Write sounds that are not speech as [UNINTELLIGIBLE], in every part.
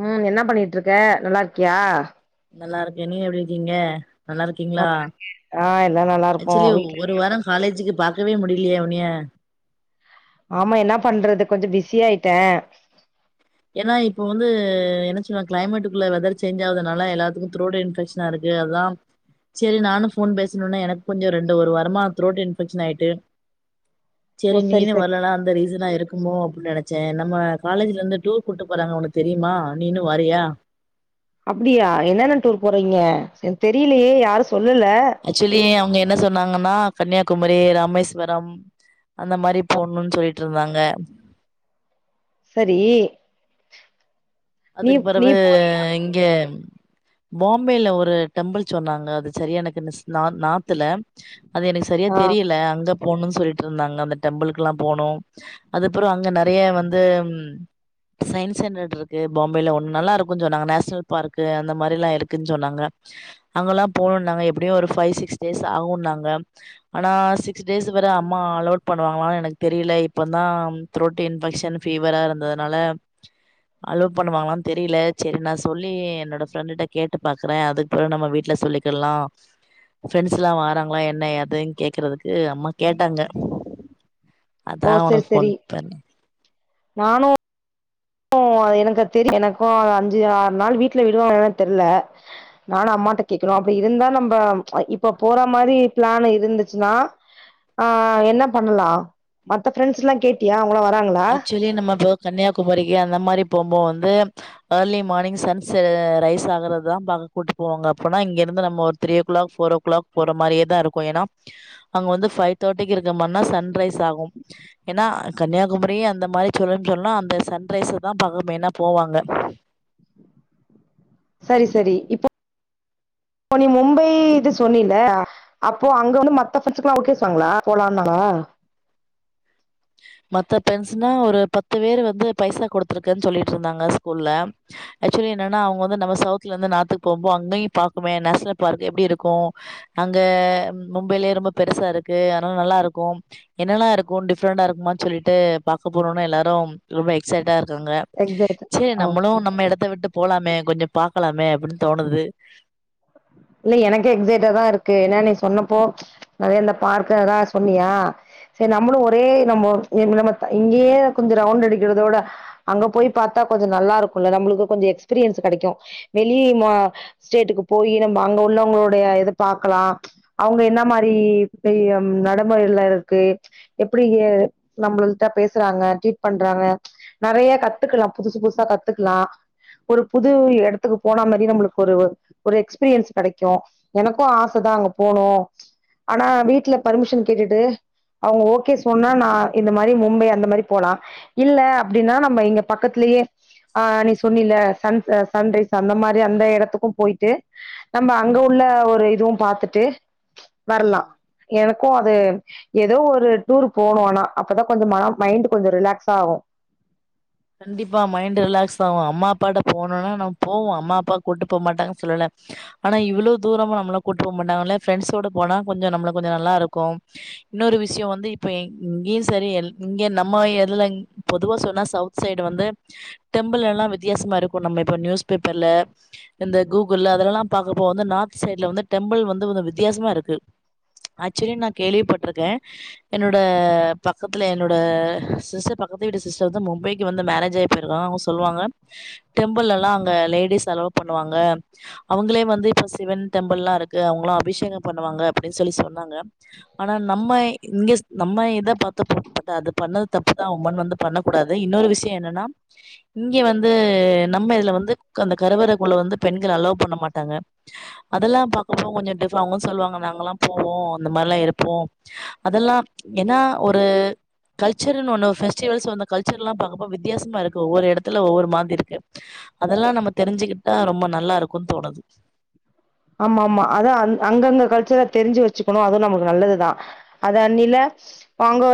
உம் என்ன பண்ணிட்டுருக்க நல்லா இருக்கியா நல்லாருக்கே நீ எப்டிருக்கீங்க நல்லாருக்கீங்களா ஆ எல்லா நல்லாருக்கோ ஆக்சொலி வீட்ல ஒரு வாரம் காலேஜூக்கு பா இருக்கவே முடியலையே உனிய ஆமா என்னா பண்றது கொஞ்சொ பிசியாயிட்டே ஏன்னா இப்ப வந்து என்ன சொன்னா கிளைமேட்டுக்குள்ள வெதர் சேஞ்ச் ஆவுதுனால எல்லாத்துக்கு த்ரோட் இன்பெக்க்ஷனாயிருக்கு அதான் சேரி நானும் போன் பேசணும்னா எனக்கு கொஞ்சம் ரெண்டு ஒரு வாரமா த்ரோட் இன்பெக்க்ஷன் ஆயிட்டு சரி நீனும் வரலனா அந்த ரீசனா இருக்குமோ அப்படின்னு நினைச் நம்ம காலேஜ்ல இருந்து டூ கூப்ட்டு போறாங்க உனக்கு தெரியுமா நீன்னு வரியா அப்படியா என்னென்ன டூர் போறீங்க எனக்குதெரியலையே யாரும் ஆக்சொலி அவங்க என்ன சொன்னாங்கன்னா கண்ணியாக் குமரி ராமேஸ்வரம் அந்த மாதிரி ஆ போடுணுன்னு சொல்லிட்டு ட்டுருவாங்க சரி நீ அதுக்கு நீ பிறவு போறியா இங்க பாம்பேல ஒரு டெம்பிள் சொன்னாங்க அது சரியா எனக்குஸ் நா நார்த்துல அது எனக்கு சரியா ஆ தெரியல அங்கப் போணு சொல்லிட்டு இருந்தாங்க அந்த டெம்பி்ள்கல்லா போனு அதுப்ரோ அங்க நிறைய வந்து ம் சயின்ஸ்ன்ரேடர்க் கே பாம்பேல ஒண்ணு நல்லா இருக் கொஞ்ச நா நேஷனல் பார்க்கு அந்த மாரிலா இருக்குன் சொன்னாங்க அங்கெல்லா போகணும்னாங்க எப்படியு ஒரு ஃபைவ் சிக்ஸ் டேஸ் ஆகும்ன்னாங்க ஆனா சிக்ஸ் டேஸ் வேற அம்மா அலவுட் பண்ணுவாங்களானு எனக்கு தெரியல இப்ப தான் த்ரோட் இன்ஃபெக்ஷன் ஃபீவரா இருந்ததுனால அலோ பண்ணுவாங்களானு தெரியல சேரி நா சொல்லி என்னோட ஃப்ரெண்டிட்ட கேட்டு பாக்குறே அதுக்குபிறகு நம்ம வீட்டுல சொல்லிக்கிடலா ஃப்ரெண்ட்ஸ்லா வறாங்களா என்ன எதுன்னு கேக்குறதுக்கு அம்மா கேட்டாங்க ஓ அதா சரி உனக்கு ஃபோன் சரி பண்ணே நானு ஓ எனக்கு தெரிய எனக்கோ அஞ்சு ஆறு நாள் வீட்டுல விடுவாங்களானு தெரில நானு அம்மாட்ட கேட்கணு அப்படி இருந்தா நம்ம இப்ப போற மாரி பிளான் இருந்துச்சுன்னா அ என்ன பண்ணலா மத்த ஃரெண்ட்ஸ்ட்டலா கேட்டியா அவங்களா வராங்களா ஆக்சுவலி நம்ம தோ கன்னியாகுமரி இ அந்த மாரி போம்போ வந்து ஏர்லி மார்னிங் சன் செ ரைஸ் ஆகறதான் பாக்க கூட்டிட் போவாங்க அப்பனா இங்கிருந்து நம்ம ஒரு three o'clock four o'clock போற மாதிரியேதா இருக்கு ஏனா அங்க வந்து பைவ் தேர்டி இருக் தமனா சன் ரைஸ் ஆகு ஏனா அ கன்யா [UNINTELLIGIBLE] அந்த மாரி சொல்லுனு சொல்லா அந்த சன்ரைஸ தா பாக்க மைன்னா போவாங்க சரி சரி இப்ப இப்போ இ நீ மும்பை இது சொன்னில அப்போ அங்க வந்து மத்த ஃபுட்ஸ்கலா ஒத்துகுவாஙகளா போலானாங மத்த ஃபிரண்டஸ்னா ஒரு பத்து பேர் வந்து பைசா கொடுத்துருக்குன்னு சொல்லிட்டு இருந்தாங்க ஸ்கூல்ல ஆக்சுவலி என்னன்னா அவங்க வந்து நம்ம சவுத்ல இருந்து நார்த்தக்கு போம்போ அங்கயும் பாக்குமே நேஷனல் பார்க் எப்படி இருக்கு அங்க மும்பையிலயே ரொம்ப பெருசா இருக்கு அதனால நல்லா இருக்கு என்னெல்லா இருக்கு ஃப்ரண்டா இருக்குமானு சொல்லிட்டு பாக்க போரோன எல்லோரும் ரொம்ப எக்ஸைட்டாக இருந் ருக்காங்க எக்ஸைட் சேரி ஓகே நம்மளும் நம்ம எடத்த விட்டு போலாமே கொஞ்சோ பாக்கலாமே அப்படின்னு தோணுது இன்னு எனக்கே எஃக்சைட்டா தா இருக்கு ஏன்னா நீ சொன்னப்போ நறைய இந்த பார்க்கதா சொன்னியா சரி நம்மளு ஒரே நம்ம இப்ப நம்ம இங்கயே கொஞ்சோ ரவுண்ட் அடிக்கிறதோட அங்க போய் பார்த்தா கொஞ்சோ நல்லா இருக்குல நம்மளுக்கு கொஞ்சோ எக்ஸ்பீரியன்ஸ் கெடைக்கும் வெளி ஆ ஸ்டேட்டுக்கு போயி நம்ம அங்க உள்ளவங்களுடைய இத பாார்கக்கலா அவங்க என்ன மாரி நடைமுறைல இருக்கு எப்படி நம்மளட்டா பேசுறாங்க ட்ரீட் பண்றாங்க நிறைய கத்துக்கலா புதுசு புதுசா கத்துக்கலா ஒரு புது இடத்துக்கு போனா மாரி நம்மளுக்கு ஒரு ஒரு ஒரு எக்ஸ்பீரியன்ஸ் கிடைக்கு எனக்கு ஆச தா அங்க போனு ஆனா வீட்டுல பர்மிஷன் கேட்டுட்டு அவங்க ஓகே சொன்னா நா இந்த மாதிரி மும்பை அந்த மாதிரி போலா இல்ல அப்படின்னா நம்ம இங்க பக்கத்தலயே ஆ நீ சொன்னில சன்ஸ் ஆ சன்ரைஸ் அந்த மாதிரி அந்த இடத்துக்கு போயிட் ட்டு நம்ம அங்க உள்ள ஒரு இதுவு பாத்துட்டு வரலா எனக்கு அது ஏதோ ஒரு டூர் போனு னா அப்பதான கொஞ்சோ மன மைண்ட் கொஞ்சோ ரிலாக்ஸ் ஆகு கண்டிப்பா மைண்ட் ரிலாக்ஸ் ஆகு அம்மா அப்பாட்ட போனும்னா நம் போவோ அம்மா அப்பா கூட்டு போக மாட்டாங்கன்னு சொல்லல ஆனா இவ்வளோ தூரமா நம்மள கூட்டு போ மாட்டாங்கல்ல ஃப்ரெண்ட்ஸ்ஸோட போனா கொஞ்சம் நம்ம கொஞ்சோ நல்லா இருக்கு இன்னொரு விஷயம் வந்து இப்ப இங்கேயு சரி இங்க நம்ம எதுல பொதுவா சொன்னா சவுத் சைடு வந்து டெம்பிள் எல்லா வித்தியாசமா இருக்கு நம்ம இப்ப நியூஸ் பேப்பர்ல அந்த கூகுள்ல அதலெல்லா பார்க்கபோது வந்து நார்த் சைட்ல வந்து டெம்பிள் வந்து வித்தியாசமா இருக்கு ஆக்சுவலி நா கேள்விப்பட்டிருக்க என்னோட பக்கத்துல என்னோட சிஸ்டர் பக்கத்து வீடு சிஸ்டர் வந்து மும்பைக் இங்க வந்து மேரேஜ் ஆகி போயிருகாங் அவங்க சொல்லுவாங்கா டெம்பிள் எல்லாம் அங்க லேடிஸ் அலோ பண்ணுவாங்க அவங்களே வந்து இப்ப சிவன் டெம்பிள் லா இருக்கு அவ்வளா அபிஷேகம் பண்ணுவாங்க அப்படின்னு சொல்லி சொன்னாங்க ஆனா நம்ம இங்கி நம்ம என்ன பார்த்தோ பட் அது பண்ணது தப்புதா அஉன் வந்து பண்ண கூடா இன்னொரு விசி விசிய என்னனா இங்க வந்து நம்ம இதுல வந்து அந்த கருவறைக்குள்ள வந்து பெண்கள் அலோவ் பண்ண மாட்டாங்க அதெல்லா பாக்கோம்போ கொஞ்சோ டிப்ப சொ அவங்க சொல்வாங்க நாங்களா போவோம் அந்த மாரிலா இருப்போ அதல்லா ஏனா ஒரு கல்சர்னு ஒன்னு ஃபெஸ்டிவல்ஸ் ஒன்னு கல்சர்லா பாக்கபோ ரொம்ப வித்தியாசமா இருக்கு ஒரு இடத்துல ஒவ்வொரு மாதிரி இருக்கு அதெல்லா நம்ம தெரிஞ்சுக்கிட்டா ரொம்ப நல்லா இருக்கும்ன்னு தோணுது ஆமா ஆமா அத அந் அங்கங்க கல்ச்சர் தெரிஞ்சு வச்சுக்கணு அதுவும் நமக்கு நல்லதுதா அதது அன்னில அங்க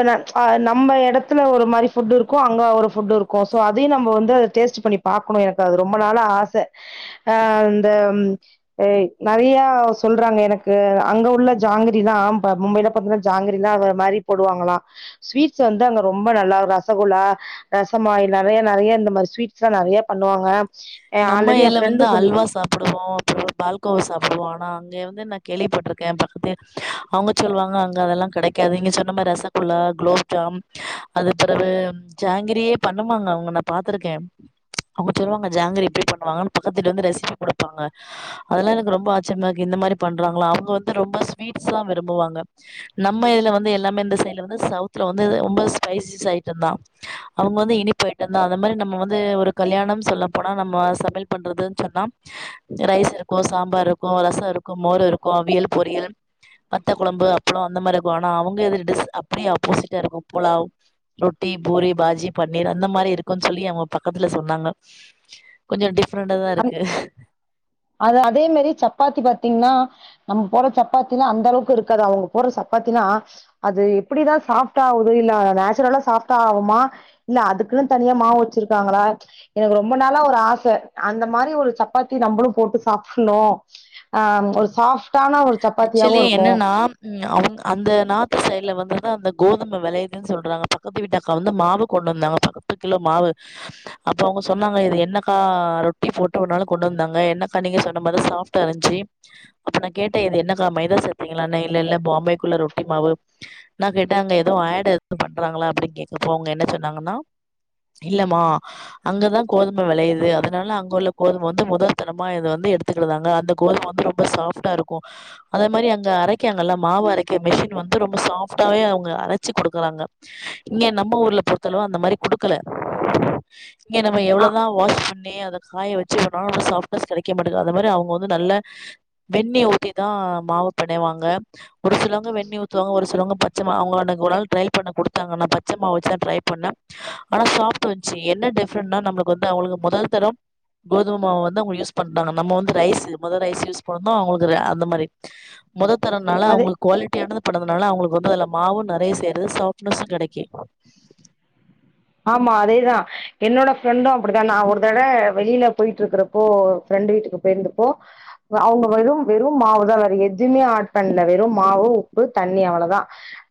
நம்ம இடத்துல ஒரு மாதிரி ஃபுட் இருக்கு அங்க ஒரு ஃபுட்டு இருக்கும் சோ அதையும் நம்ம வந்து அத டேஸ்ட் பண்ணி பாக்கணு எனக்கு அது ரொம்ப நாள ஆசை ஆ இந்த ஏ நெறையா சொல்றாங்க எனக்கு அங்க உள்ள ஜாங்கிரிலா மும்ப மும்பையில பாரத்தீங்கன்னா ஜாங்கிரிலா வேற மாரி போடுவாங்களல்லா ஸ்வீட்ஸ் வந்து அங்க ரொம்ப நல்லா ரசகுலா ரசமாயில் நிறைய நெறைய இந்த மாதிரி ஸ்வீட்ஸ் எல்லா நெறையா பண்ணுவாங்க அ நம்ம ஆல்ரெடி என் இல வந்து ஃப்ரெண்டு சொல்லி அல்வா சாப்பிடுவோ அப்ரோ பால்க் பால்கோவா சாப்பிடுவோ ஆனா அங்க வந்து நா கேள்விப்பட்டிருக்க பக்கத்து அவங்க சொல்லுவாங்க அங்க அதெல்லா கெடைக்காது இங்க சொன்ன மா ரசகுல்லா குலோப்ஜா அது பிறகு ஜாங்கிரியே பண்ணுவாங்க அவங்க ந பா்த்திருக்க அவங்க சொல்லுவாங்க ஜாங்கிரி [UNINTELLIGIBLE] பண்ணுவாங்க பக்கத்துவீட்ல வந்து ரெசிபி குடுப்பாங்க அதெல்லா எனக்கு ரொம்ப ஆச்சிரியமா இருக்கு இந்த மாரி பண்றாங்கலா அவங்க வந்து ரொம்ப ஸ்வீட்ஸ்லா விரும்புவாங்க நம்ம இதுல வந்து எல்லாமே இந்த சைடுல வந்து ரொம்ப ஸ்பைசிஸ் ஐட்டம் தா ப அவங்க வந்து இனிப்பு ஐட்ட தா அந்த மாதிர நம்ம வந்து ஒரு கல்யாணம் சொல்லபோனா நம்ம சமையல் பண்றதுன்னு சொன்னா ரைஸ் இருக்கு சாம்பார் இருக்கு ரசோ இருக்கு மோரு இருக்கு அவியல் பொரியல் வத்த கொழம்பு அப்லோ அந்த மாரி இருக்கு ஆனா அவங்க எது அப்படியே அப்போசிட்டா இருக்கு புலாவ் ரொட்டி பூரி பாஜி பன்னீர் அந்த மாரி இருக்கும்ன்னு சொல்லி அவங்க பக்கத்துல சொன்னாங்க கொஞ்சோ டிப் ப்ரண்டாதா இருக்கு அது அதே மேரியே சப்பாத்தி பாத்தீங்னா நம்ம போற சப்பாத்திலா அந்த அளவுக்கு இருக்காது அவ்ங்க போர்ற சப்பாத்தினா அது எப்டிதா சாஃப்ட்டா ஆவ்து இல்ல நேச்சுரலா சாஃப்டா ஆவுமா இல்ல அதுக்குன் தனியா மாவு வச்சிருக்காங்களா எனக்கு ரொம்ப நாளா ஒரு ஆச அந்த மாரி ஒரு சப்பாத்தி நம்பளு போட்டு சாப்புண்ணு ஆ ஒரு சாஃப் ஆக்சுலி என்னன்னா ம் அவ்ங் அந்த நார்த்து சைட்ல வந்து அந்த கோதும வெளயுதுன் சொல்றாங்க பக்கத்து வீட்டக்கா வந்து மாவ கொண்டு வந்தாங்க பத்து கிலோ மாவு அப்ப அவ்ங்க சொன்னாங்க இது என்னக்கா ரொட்டி போட்டுனாலு கொண்டு வந்தாங்க என்னக்கா நீங்க சொன்ன மாரி சாஃப்ட்டா இருந்ச்சி அப்ப நா கேட்ட இது என்னக்கா மைதா சேத்தீங்களான்னு இல்ல இல்ல பாம்பேக்குள்ள ரொட்டி மாவு நா கேட்ட அங்க எதுவு ஆடு எது பண்றாங்களா அப்டின் கேக்கப்போ அவ்ங்க என்ன சொன்னாங்கன்னா இல்லம்மா அங்கதா கோதும வெளையுது அதுனால அங்க உள்ள கோதும வந்து மொதோ தனமா இத வந்து எடுத்துக்டுதாங்க அந்த கோதும வந்து ரொம்ப சாஃப்ட்டா இருக் கு அதே மாரி அங்க அரைக்க நல்லா மாவு அரைக்க மிஷின் வந்து ரொம்ப சாஃப்ட்டாவே அவ்ங்க அரச்சி குடுக்குறாங்க இங்கெ நம்ம ஊர்ல பொருத்தளவு அந்த மாரி குடுக்கல இங்க நம்ம ஆ எவ்ளோதா வாஷ் பண் ணி அத காய வச்சி [INAUDIBLE] சாஃப்ட்னஸ் கெடைக்க மாட்டிது அத மாரி அவ்ங்க வந்து நல்ல வெண்ணைய ஊத் திதா மாவ பெணைவாங்க ஒரு சிலவங்க வெண்ணைய ஊத்துவாங்க ஒரு சிலவங்க பச்ச மா அவங்க அன்னைக் ஒரு நாள் ட்ரை பண்ண குடுத்தாங்க நா பச்ச மாவு வச்சு தா ட்ரை பண்ண ஆனா சாப்ட்டு வன்ச்சு என்ன டிஃப்ரண்ட்னா நம்மளுக்கு வந்து அவளுக மொதல் தரம் கோதும மாவ வந்து அவ்ங்க யூஸ் பண்றாங்க நம்ம வந்து ரைஸு மொத ரைஸு யூஸ் பண்றோ அவ்களுக் குற அந்த மாரி மொதொ தரொன்னால அது அவ்ங்களுக் குவாலிட்டியானத [UNINTELLIGIBLE] னால அவ்ங்களுக்கு வந்து அதுல மாவு நறைய சேருது சாஃப்ட்னெஸ்ஸு கெடைக்கி ஆமா அதேதா என்னோட ஃப்ரண்டு அப்புடிதா நா ஒரு தட வெளியில போயிட்ருக்குறப்போ ஃப்ரண்டு வீட்டுக்கு பொயிற்ந்தப்போ அவுங்க வெறும் வெறும் மாவுதா வேற எதுமே ஆட் பண்ல வெறும் மாவு உப்பு தண்ணி அவ்வளதா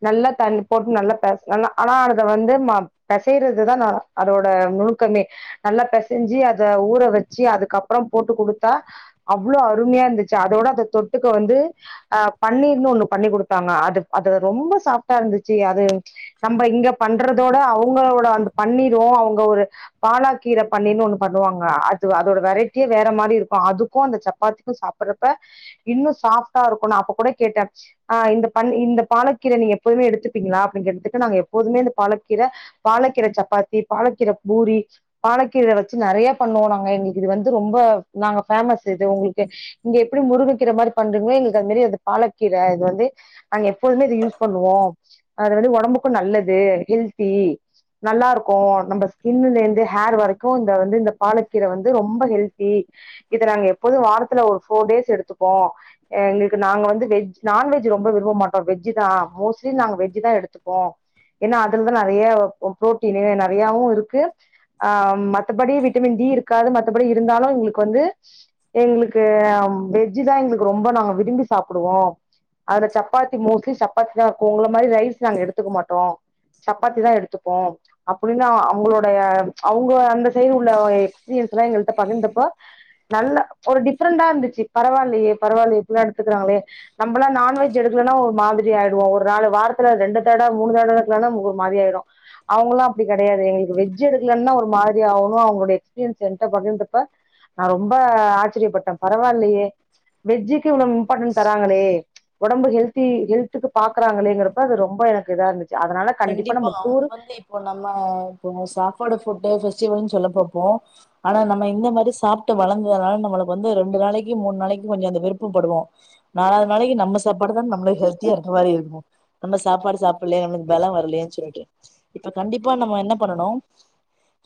நல்லா தண்ணி போட்டு நல்லா பெஸ் நல்லா ஆனா அதுல வந்து ம பெசய்றது தா ந அதோட நுணுக்கமே நல்லா பெசஞ்சி அத ஊற வெச்சி அதுக்கப்றம் போட்டு குடுத்தா அவ்ளோ அருமையா இருந்துச்சி அதோட அத தொட்டுக்க வந்து ஆ பன்னீர்னு ஒண்ணு பண்ணி குடுத்தாங்க அது அத ரொம்ப சாஃப்டா இருந்துச்சி அது நம்ப இங்க பண்றதோட அவ் வ்ங்களோட அந்த பன்னீரு அவ்ங்க ஒரு பாலாக்கீர பன்னீர்னு ஒண்ணு பண்ணுவாங்க அது வ அதோட வெரைட்டியே வேற மாரி இருக்கு அதுக்கு அந்த சப்பாத்திக்கு சாப்புர்றப்ப இன்னு சாஃப்ட்டா இருக்குனு அப்ப கூட கேட்ட ஆ இந்த பன் இந்த பாலக்கீர நீ எப்போதுமே எடுத்துப்பீங்ளா அப்டின் கேட்டதுக்கு நாங்க எப்போதுமே இந்த பாலக்கீர பாலக்கீர சப்பாத்தி பாலக்கீர பூரி பாலக்கீர வச்சி நறைய பண்ணுவோ நாங்க எங்களுக்கு இது வந்து ரொம்ப நாங்க ஃபேமஸ் இது உங்களுக்கு இங்க எப்டி முருங்கக்கீர மாரி பண்றீங்ளோ எங்களுக்கு அது மேரி அது பாலக்கீர இது வந்து நாங்க எப்போதுமே இது யூஸ் பண்ணுவோ அது வந்து ஒடம்புக்கு நல்லது ஹெல்த்தி நல்லா இருக்கு நம்ம ஸ்கின்லேந்து ஹேர் வரைக்கு இந்த வந்து இந்த பாலக்கீர வந்து ரொம்ப ஹெல்த்தி இத நாங்க எப்போது வாரத்துல ஒரு ஃபோர் டேஸ் எடுத்துப்போ எங்களுக்கு நாங்க வந்து வெஜ் நான்வெஜ் ரொம்ப விருவ மாட்டோ வெஜ்ஜு தா மோஸ்ட்லி நாங்க வெஜ்ஜு தா எடுத்துப்போ ஏன்னா அதுலதா நறைய பொ ப்ரோட்டீனு நறையாவு இருக்கு ஆ மத்தப்படி விட்டமின் டி இருக்காது மத்தப்படி இருந்தாலு எங்களுக்கு வந்து எங்களுக்கு ஆ வெஜ்ஜு தா எங்களுக்கு ரொம்ப நாங்க விரும்பி சாப்டுவோ அத சப்பாத்தி மோஸ்ட்லி சப்பாத்தி தா இருக்கு உங்கள மாரி ரைஸ் நாங்க எடுத்துக்க மாட்டோ சப்பாத்தி தா எடுத்து அப்படின்னு அவங்களோட அவங்க அந்த செய்து உள்ள எக்ஸ்பீரியன்ஸ்ல்லான் எங்களிட்ட பகிர்ந்தப்ப நல்ல ஒரு டிஃப்ரெண்டா இருந்துச்சு பரவாயில்லையே பரவாயில்லைய எப்படில்லாம் எடுத்துக்கிறாங்களேை நம்மலாம் நான்வெஜ் எடுக்கலனா ஒரு மாிரி ஆயிடுவேன் ஒரு நாலு வாரத்துல ரெண்டு தடவை மூணு தடவை எடுக்கலன்னா ஒரு மாரி ஆயிடும் அவங்கல்லாம் அப்டி கிடையாது எங்களுக்கு வெஜ் எடுக்கலனா ஒரு மாதிரி ஆகணும் அவங்களோடைய எக்ஸ்பீரியன்ஸ் என்கிட்ட பகிர்ந்தப்ப நான் ரொம்ப ஆச்சரியப்பட்டேன் பரவாயில்லையே வெஜ்ஜி வெஜ்க்கு இவ்ளோ இம்பார்டன்ட் தராங்களே உடம்பு ஹெல்த்தி ஹெல்த்துக்கு பாக்கறாங்களேங்கிறப்ப அது ரொம்ப எனக்கு இதா இருந்துச்சு அதனால கண்டிப்பான நம்ம அங்க டூர் வந்து இப்ப நம்ம இப்ப சாப்பாடு ஃபுட் சொல்ல போப்போம் ஆனா நம்ம இந்த மாதிரி சாப்பிட்டு வளர்ந்ததுனால நம்ம வந்து ரெண்டு நாளைக்கு மூணு நாளைக்கு கொஞ்சம் அந்த விருப்பப்படுவோம் நாலாவது நாளைக்கு நம்ம சாப்பாடு தான் நம்ம ஹெல்த்தியா இருக்க மாதிரி இருக்கும் நம்ம சாப்பாடு சாப்பிடலைய வில வரலன்னு சொல்லிட்டு இப்ப கண்டிப்பா நம்ம என்ன பண்ணனும்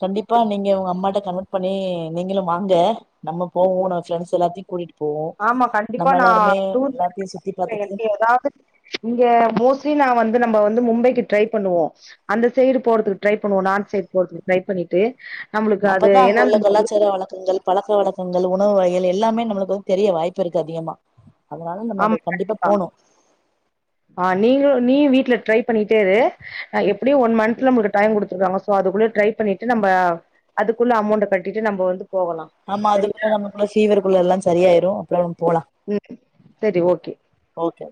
கண்டிப்பா நீங்க உங்க அம்மாகிட்ட கன்வெ்ட் பண்ணி நீங்களும் வாங்க நம்ம கூட்டிட்டு போவோ ஆமா கண்டிப்பா நம்ம நான் எல்லாருமே எல்லாத்தையு சுத்தி பாத்துட்டு இங்க மோஸ்ட்லி நான் வந்து நம்ம வந்து மும்பைக்கு ட்ரை பண்ணுவோம் அந்த சைடு போறதுக்கு ட்ரை பண்ணுவோம் நார்த் சைடு போறதுக்கு ட்ரை பண்ணிட்டு நம்மளுக்கு அது அப்பதா அங்க ஏன்னா உள்ள நம்ம ஒரு- கொலாச்சார வழக்கங்கள் பழக்க வழக்கங்கள் உணவு வகையிலே எல்லாமே நம்முளுக்கு வந்து தெரிய வாய்ப்பு இருக்கு அதிகமா அதனால நம்ம அது ஆமா கண்டிப்பா போணு ஆ நீங்களு நீயு வீட்ல ட்ரை பண்ணிட்டே இரு எப்படியும் எப்படியும் நமக்கு ஒன் மந்த் டைம் கொடுத்திருக்காங்க சோ அதுக்குள்ள ட்ரை பண்ணிட்டு நம்ம அதுக்குள்ள அமௌன்ட் அமௌண்ட் கட்டிட்டு கட்டிட்டு நம்ம வந்து போகலா ஆமா சரியா அதுக்குள்ள நமக்குள்ள குள்ள எல்லாம் சரியாயிரும் அப்ப உம் சரி ஓகே ஓகே